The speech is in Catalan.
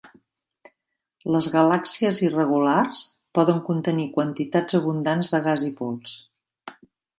Les galàxies irregulars poden contenir quantitats abundants de gas i pols.